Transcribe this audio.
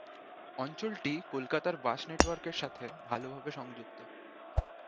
অঞ্চলটি কলকাতার বাস নেটওয়ার্কের সাথে ভালভাবে সংযুক্ত।